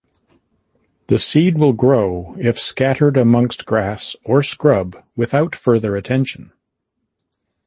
The seed will grow if scattered amongst grass or scrub without further attention.